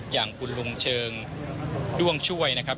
อย่างคุณลุงเชิงด้วงช่วยนะครับ